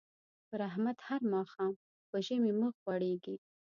پر احمد هر ماښام په ژمي مخ غوړېږي.